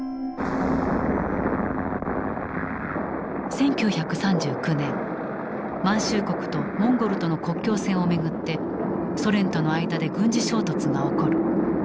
１９３９年満州国とモンゴルとの国境線を巡ってソ連との間で軍事衝突が起こる。